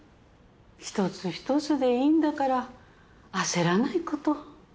一つ一つでいいんだから焦らないこと。